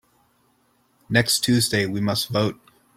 Next Tuesday we must vote.